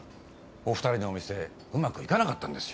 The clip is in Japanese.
お２人のお店うまくいかなかったんですよ。